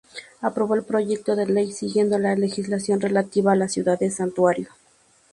Aprobó el proyecto de ley siguiendo la legislación relativa a las ciudades santuario.